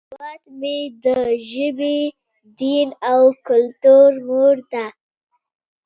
هیواد مې د ژبې، دین، او کلتور مور دی